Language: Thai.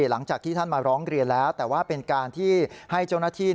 หลังจากที่ท่านมาร้องเรียนแล้วแต่ว่าเป็นการที่ให้เจ้าหน้าที่